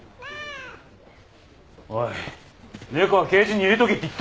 おい猫はケージに入れとけって言ったろうが。